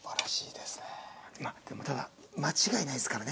でもただ間違いないですからね。